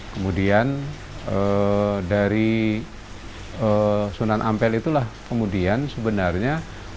kemudian dari sunan ampel itulah kemudian sebenarnya